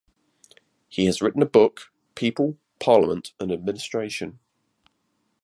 He has written a book, "People, Parliament and Administration".